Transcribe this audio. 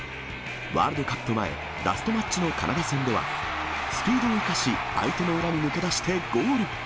ワールドカップ前、ラストマッチのカナダ戦では、スピードを生かし、相手の裏に抜け出してゴール。